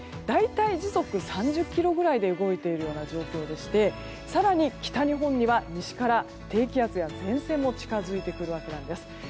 大体時速３０キロぐらいで動いている状況でして更に、北日本には西から低気圧や前線も近づいてくるわけなんです。